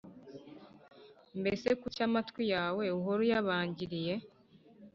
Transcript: mbese kuki amatwi yawe uhora uyabangiriye